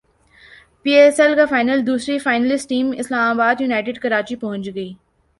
پی S L کا final دوسری finalist team اسلام باد یونائیٹڈ کراچی پہنچ گئی